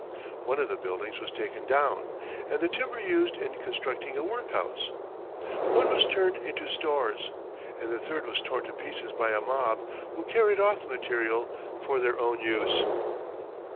One of the buildings was taken down, and the timber used in constructing a workhouse; one was turned into stores, and the third was torn to pieces by a mob, who carried off the material for their own use.